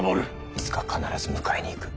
いつか必ず迎えに行く。